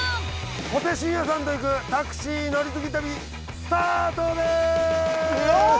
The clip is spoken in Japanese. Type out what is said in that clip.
小手伸也さんと行く「タクシー乗り継ぎ旅」スタートです！